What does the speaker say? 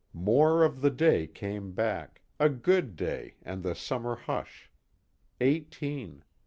More of the day came back, a good day and the summer hush. Eighteen.